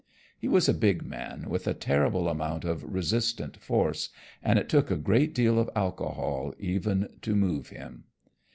He was a big man with a terrible amount of resistant force, and it took a great deal of alcohol even to move him.